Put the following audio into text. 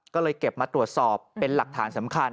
ก็เลยเก็บมาตรวจสอบเป็นหลักฐานสำคัญ